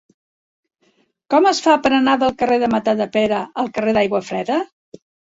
Com es fa per anar del carrer de Matadepera al carrer d'Aiguafreda?